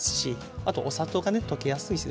あとお砂糖がね溶けやすいですし